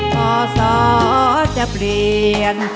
ต่อสอดจะเปลี่ยน